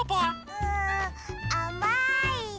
うんあまいの。